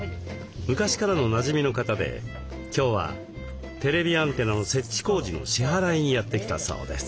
昔からのなじみの方で今日はテレビアンテナの設置工事の支払いにやって来たそうです。